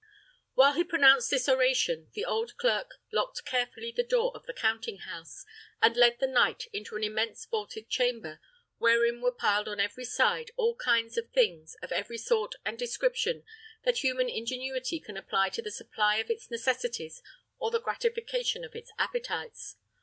While he pronounced this oration, the old clerk locked carefully the door of the counting house, and led the knight into an immense vaulted chamber, wherein were piled on every side all kinds of things, of every sort and description that human ingenuity can apply to the supply of its necessities or the gratification of its appetites.